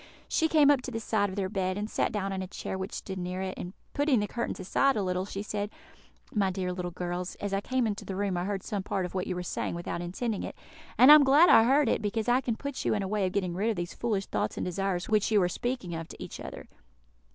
She came up to the side of their bed, and sat down in a chair which stood near it, and putting the curtains aside a little, she said, "My dear little girls, as I came into the room I heard some part of what you were saying without intending it; and I am glad I heard it, because I can put you in a way of getting rid of these foolish thoughts and desires which you are speaking of to each other.